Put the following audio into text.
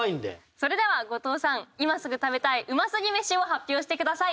それでは後藤さん今すぐ食べたい美味すぎメシを発表してください。